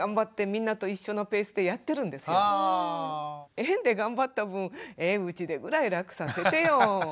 園で頑張った分うちでぐらい楽させてよ。